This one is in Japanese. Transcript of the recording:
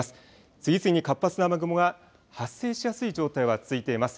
次々に活発な雨雲が発生しやすい状態は続いています。